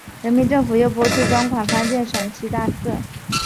人民政府又拨出专款翻建陕西大寺。